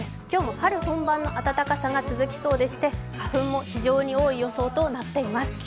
今日も春本番の暖かさが続きそうで花粉も非常に多い予想となっています。